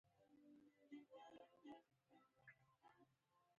پیاز په وچکالو کې کم حاصل ورکوي